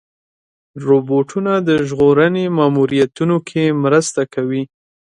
روبوټونه د ژغورنې ماموریتونو کې مرسته کوي.